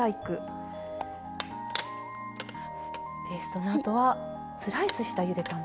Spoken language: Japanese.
そのあとはスライスしたゆで卵。